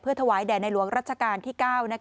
ถวายแด่ในหลวงรัชกาลที่๙